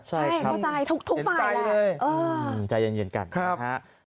ใช่ครับเห็นใจเลยใจเย็นกันนะฮะทุกฝ่าย